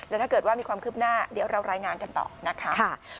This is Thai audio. แล้วถ้าเกิดว่ามีความคืบหน้าเดี๋ยวเรารายงานกันต่อนะคะ